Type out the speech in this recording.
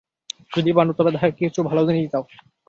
যদি পার তবে তাহাকে কিছু ভাল জিনিষ দাও।